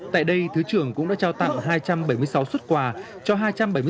tại đây thứ trưởng cũng đã trao tặng hai trăm bảy mươi sáu xuất quà cho hai trăm bảy mươi đồng